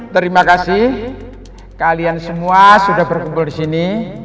terima kasih kalian semua sudah berkumpul di sini